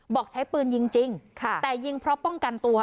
บอกใช้ปืนยิงจริงแต่ยิงเพราะป้องกันตัว